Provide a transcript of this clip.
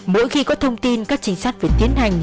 mỗi khi có thông tin các trinh sát phải tiến hành